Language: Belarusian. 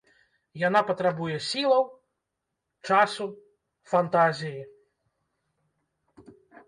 Яна патрабуе сілаў, часу, фантазіі.